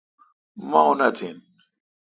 مہ اونتھ این۔